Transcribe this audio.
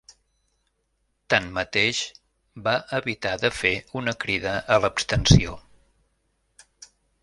Tanmateix, va evitar de fer una crida a l’abstenció.